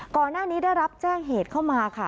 ก่อนหน้านี้ได้รับแจ้งเหตุเข้ามาค่ะ